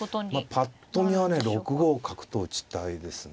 ぱっと見はね６五角と打ちたいですね。